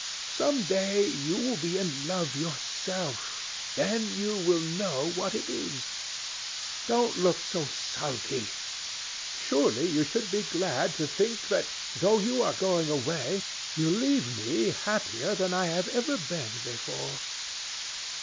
Some day you will be in love yourself. Then you will know what it is. Don't look so sulky. Surely you should be glad to think that, though you are going away, you leave me happier than I have ever been before.